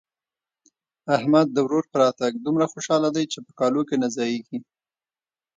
احمد د ورور په راتګ دومره خوشاله دی چې په کالو کې نه ځايېږي.